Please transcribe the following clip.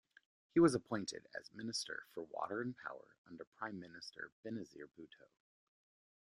He was appointed as Minister for Water and Power under Prime Minister Benazir Bhutto.